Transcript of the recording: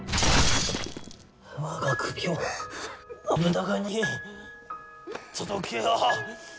我が首を信長に届けよ。